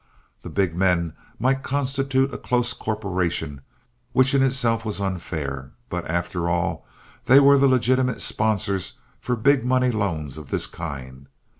The big men might constitute a close corporation, which in itself was unfair; but, after all, they were the legitimate sponsors for big money loans of this kind.